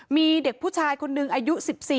มีเด็กผู้ชายคนหนึ่งอายุ๑๔